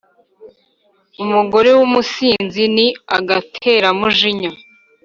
Umugore w’umusinzi ni agateramujinya,